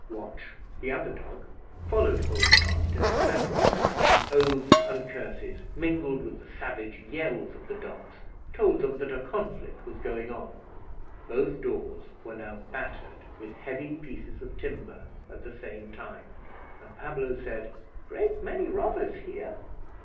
Watch, the other dog, followed Holdfast into the bedroom; and oaths and curses, mingled with the savage yells of the dogs, told them that a conflict was going on. Both doors were now battered with heavy pieces of timber at the same time, and Pablo said, "Great many robbers here."